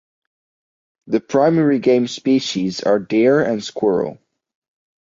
The primary game species are deer and squirrel.